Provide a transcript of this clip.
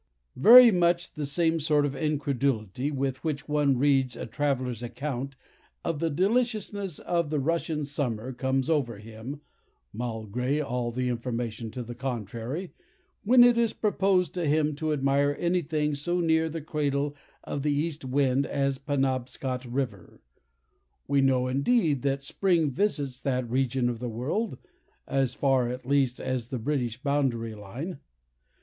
Very much the same sort of incredulity with which one reads a traveller's account of the deliciousness of the Russian summer comes over him, (malgré all the information to the contrary,) when it is proposed to him to admire any thing so near the cradle of the east wind as Penobscot River. We know, indeed, that spring visits that region of the world—as far, at least, as the British boundary line.